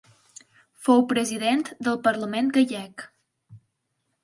Fou president del Parlament gallec.